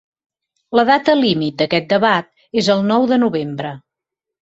La data límit d’aquest debat és el nou de novembre.